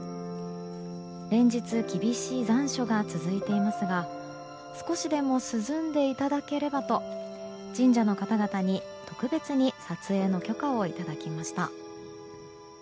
連日、厳しい残暑が続いていますが少しでも涼んでいただければと神社の方々に特別に撮影の許可をいただきました。